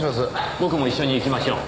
僕も一緒に行きましょう。